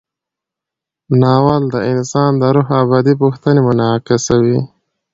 ناول د انسان د روح ابدي پوښتنې منعکسوي.